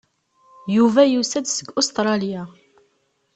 Yuba yusa-d seg Ustṛalya.